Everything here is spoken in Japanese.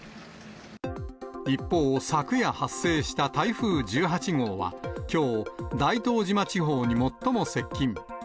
一方、昨夜発生した台風１８号は、きょう、大東島地方に最も接近。